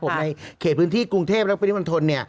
ในเขตพื้นที่กรุงเทพฯและปริมันทน